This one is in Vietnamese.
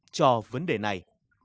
cho vấn đề này